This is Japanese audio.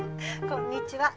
こんにちは。